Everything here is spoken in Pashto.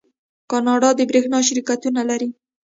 کاناډا د بریښنا شرکتونه لري.